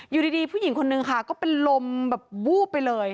อยู่ดีผู้หญิงคนนึงค่ะก็เป็นลมแบบวูบไปเลย